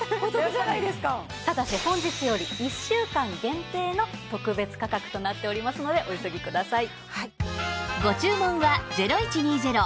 ただし本日より１週間限定の特別価格となっておりますのでお急ぎください。